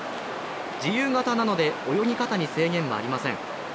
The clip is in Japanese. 自由形なので泳ぎ方に制限はありません。